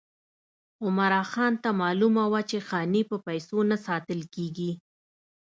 عمرا خان ته معلومه وه چې خاني په پیسو نه ساتل کېږي.